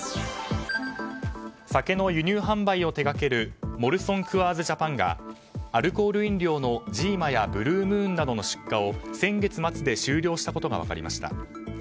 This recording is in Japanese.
酒の輸入販売を手掛けるモルソン・クアーズ・ジャパンがアルコール飲料のジーマやブルームーンなどの出荷を先月末で終了したことが分かりました。